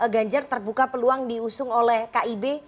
ganjar terbuka peluang diusung oleh kib